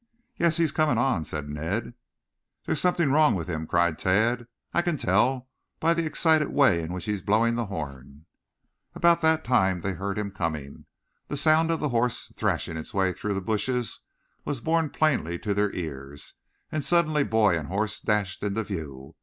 "Yes, he is coming on," said Ned. "There's something wrong with him," cried Tad. "I can tell by the excited way in which he is blowing the horn." [ILLUSTRATION: "Look at Him!"] At about that time they heard him coming. The sound of the horse threshing its way through the bushes was borne plainly to their ears, and suddenly boy and horse dashed into view.